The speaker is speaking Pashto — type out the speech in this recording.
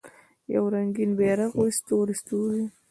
یو رنګین بیرغ وي ستوری، ستوری